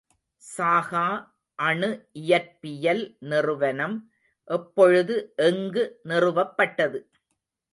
சாகா அணு இயற்பியல் நிறுவனம் எப்பொழுது எங்கு நிறுவப்பட்டது?